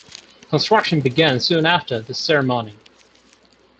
Construction began soon after the ceremony.